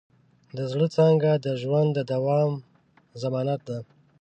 د زړۀ څانګه د ژوند د دوام ضمانت ده.